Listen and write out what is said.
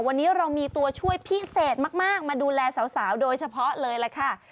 วันนี้เรามีตัวช่วยพิเศษมากมาดูแลสาวโดยเฉพาะเลยล่ะค่ะ